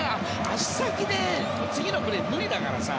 足先で次のプレー無理だからさ。